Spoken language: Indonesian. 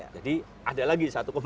jadi ini adalah perbicaraan